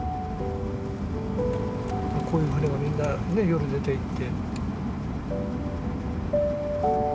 こういう船がみんなね夜出て行って。